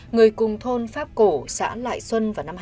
người cùng thôn pháp cổ xã lại xuân vào năm hai nghìn sáu